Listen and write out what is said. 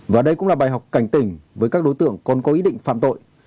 và đây cũng là bài học cảnh tỉnh với các đối tượng còn có ý định phạm tội